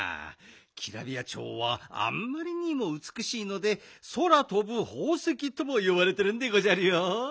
キラビヤチョウはあんまりにもうつくしいので「そらとぶほうせき」ともよばれてるんでごじゃるよ。